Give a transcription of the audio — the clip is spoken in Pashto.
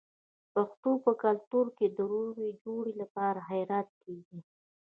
د پښتنو په کلتور کې د روغې جوړې لپاره خیرات کیږي.